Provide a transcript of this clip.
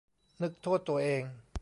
นึกโทษตัวเอง